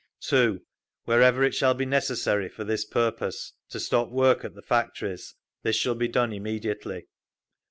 2. Wherever it shall be necessary for this purpose to stop work at the factories this shall be done immediately.